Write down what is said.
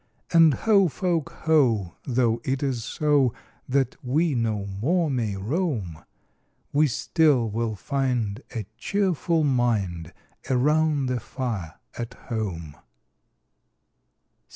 And ho, folk, ho! though it is so That we no more may roam, We still will find a cheerful mind Around the fire at home!